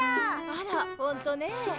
あらほんとねえ。